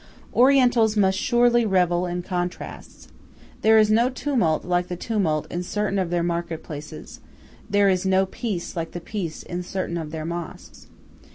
Orientals must surely revel in contrasts. There is no tumult like the tumult in certain of their market places. There is no peace like the peace in certain of their mosques.